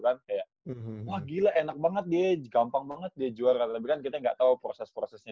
kan kayak wah gila enak banget dia gampang banget dia juara tapi kan kita enggak tahu proses prosesnya